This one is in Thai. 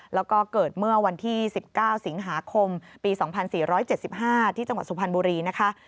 แล้วก็เกิดเมื่อวันที่๑๙สิงหาคมปี๒๔๗๕ที่จังหวัดสุพรรณบุรีนะคะ